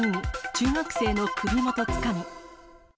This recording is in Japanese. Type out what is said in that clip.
中学生の首元つかむ。